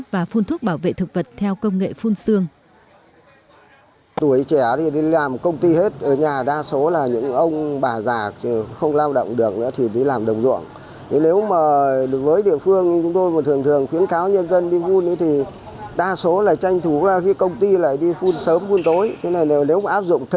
và phun thuốc bảo vệ thực vật theo công nghệ phun xương